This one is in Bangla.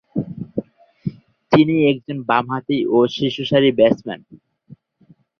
তিনি একজন বামহাতি ও শীর্ষসারির ব্যাটসম্যান।